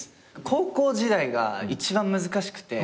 高校時代が一番難しくて。